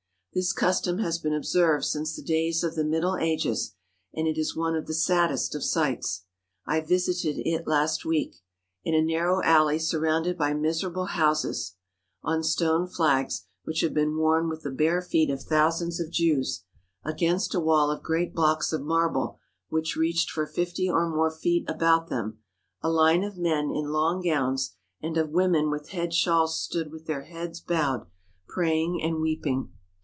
This custom has been observed since the days of the Middle Ages and it is one of the saddest of sights. I visited it last week. In a narrow alley surrounded by miserable houses — on stone flags which have been worn with the bare feet of thousands of Jews — against a wall of great blocks of marble which reached for fifty or more feet about them, a line of men in long gowns and of women with head shawls stood with their heads bowed, praying 75 THE HOLY LAND AND SYRIA and weeping.